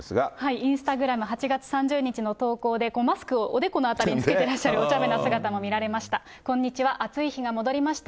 インスタグラム、８月３０日の投稿で、マスクをおでこの辺りに着けてらっしゃるおちゃめな姿も見られました。